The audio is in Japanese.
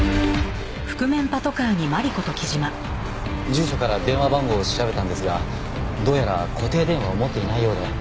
住所から電話番号を調べたんですがどうやら固定電話を持っていないようで。